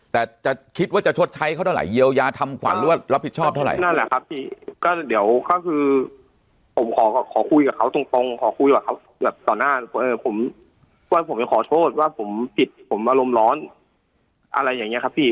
แต่ว่าผมยังขอโทษว่าผมผิดผมอารมณ์ร้อนอะไรอย่างนี้ครับพี่